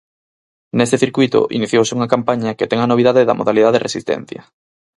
Neste circuíto iniciouse unha campaña que ten a novidade da modalidade resistencia.